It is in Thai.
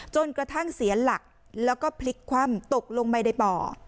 จนกระทั่งเสียหลักแล้วก็พลิกคว่ำตกลงไปในป่อ